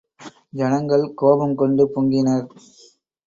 ஜனங்கள் கோபங்கொண்டு பொங்கினர்.